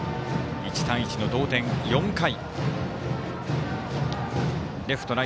１対１の同点、４回。